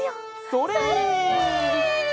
それ！